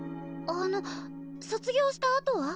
あの卒業したあとは？